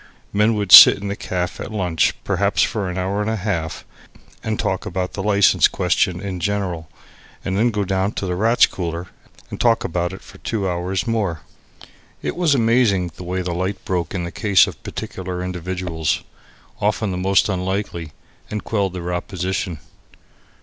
Men would sit in the caff at lunch perhaps for an hour and a half and talk about the license question in general, and then go down into the Rats' Cooler and talk about it for two hours more. It was amazing the way the light broke in in the case of particular individuals, often the most unlikely, and quelled their opposition.